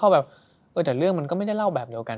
ถ้าเข้าแบบแต่เรื่องมันก็ไม่ได้เล่าแบบเดียวกันอ่ะ